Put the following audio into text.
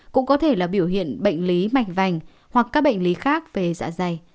cũng có thể là biểu hiện bệnh lý mạch vành hoặc các bệnh lý khác về dạ dày